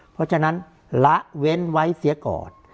เพราะฉะนั้นละเว้นไว้เสียก่อน